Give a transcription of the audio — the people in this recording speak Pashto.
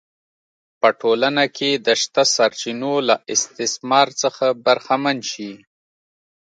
په ټولنه کې د شته سرچینو له استثمار څخه برخمن شي